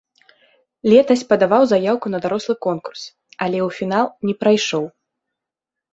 Летась падаваў заяўку на дарослы конкурс, але ў фінал не прайшоў.